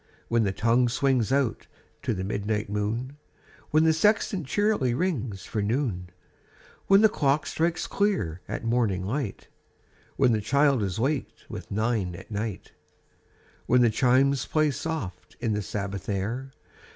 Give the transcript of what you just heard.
When the tonirue swino;s out to the midnin; ht moon— When the sexton checrly rings for noon — When the clock strikes clear at morning light — When the child is waked with " nine at night" — When the chimes play soft in the Sabbath air.